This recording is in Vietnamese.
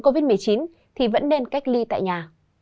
covid một mươi chín thì vẫn nên cách ly tại nhà